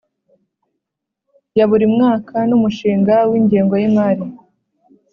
ya buri mwaka n umushinga w ingengo y imari